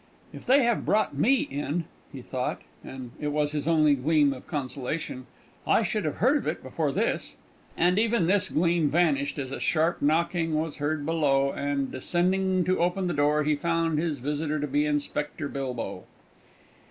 "If they have brought me in," he thought, and it was his only gleam of consolation, "I should have heard of it before this." And even this gleam vanished as a sharp knocking was heard below; and, descending to open the door, he found his visitor to be Inspector Bilbow.